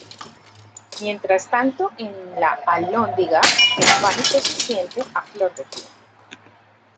Mientras tanto en la Alhóndiga, el pánico se siente a flor de piel.